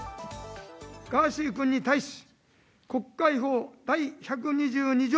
ガーシー君に対し国会法第１２２条